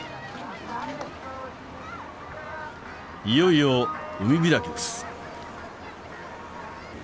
いよいよ海開きです。